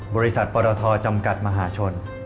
บริษัทปรทจำกัดมหาชน